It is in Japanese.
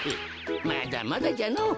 まだまだじゃのぉ。